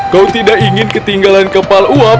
kau tidak ingin ketinggalan kepala uap